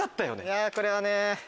いやこれはね。えっ！